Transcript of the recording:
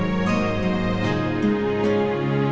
siapa presidente yang spoke dekuan